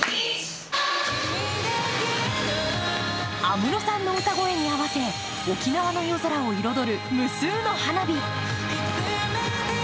安室さんの歌声に合わせ、沖縄の夜空を彩る無数の花火。